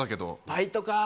バイトかー。